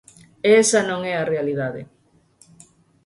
E esa non é a realidade.